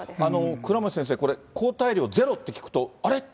倉持先生、これ、抗体量ゼロって聞くと、あれ？